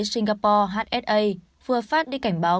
singapore hsa vừa phát đi cảnh báo